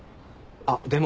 あっでも。